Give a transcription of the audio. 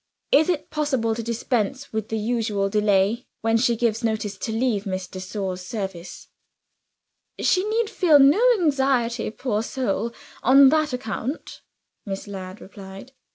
Is it possible to dispense with the usual delay, when she gives notice to leave Miss de Sor's service?" "She need feel no anxiety, poor soul, on that account," Miss Ladd replied.